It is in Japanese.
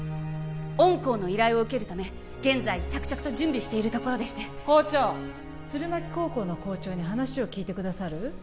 御校の依頼を受けるため現在着々と準備しているところでして校長弦巻高校の校長に話を聞いてくださる？